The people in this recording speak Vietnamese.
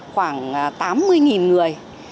khoảng tám mươi người